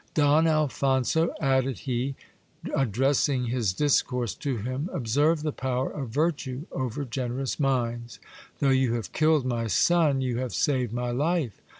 Don Alphonso, added he, addressing his discourse to him, observe the power of virtue over generous minds. Though you have killed my son, you have saved my life.